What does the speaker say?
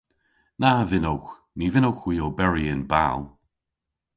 Na vynnowgh. Ny vynnowgh hwi oberi y'n bal.